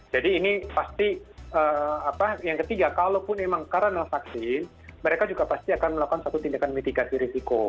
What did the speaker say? jadi ini pasti yang ketiga kalaupun memang karena vaksin mereka juga pasti akan melakukan satu tindakan mitigasi risiko